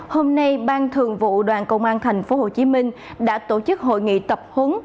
hôm nay ban thường vụ đoàn công an tp hcm đã tổ chức hội nghị tập huấn